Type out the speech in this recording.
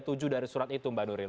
tujuh dari surat itu mbak nuril